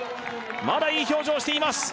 まだいい表情をしています